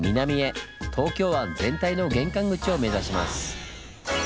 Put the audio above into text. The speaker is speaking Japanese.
東京湾全体の玄関口を目指します。